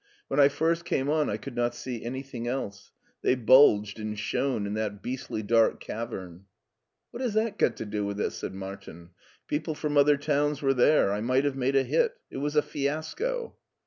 When I first came on I could not see anything else. They bulged and shone in that beastly dark cavern." " What has that got to do with it ?" said Martin, *' People from other towns were there. I might have made a hit. It was a fiasco."